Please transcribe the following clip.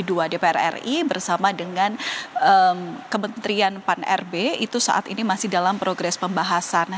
dpr ri bersama dengan kementerian pan rb itu saat ini masih dalam progres pembahasan